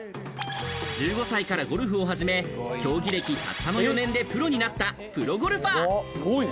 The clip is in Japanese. １５歳からゴルフをはじめ、競技歴、たったの４年でプロになったプロゴルファー。